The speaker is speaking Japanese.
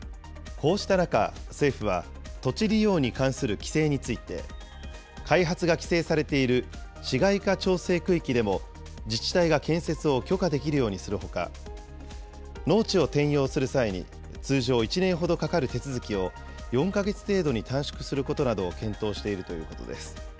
こうした中、政府は、土地利用に関する規制について、開発が規制されている市街化調整区域でも、自治体が建設を許可できるようにするほか、農地を転用する際に、通常１年ほどかかる手続きを、４か月程度に短縮することなどを検討しているということです。